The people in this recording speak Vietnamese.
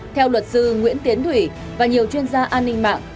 theo luật sư nguyễn tiến thủy và nhiều chuyên gia an ninh mạng